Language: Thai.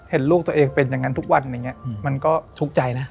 เห็นลูกตัวเองเป็นอย่างนั้นทุกวันอย่างนี้มันก็ทุกข์ใจนะ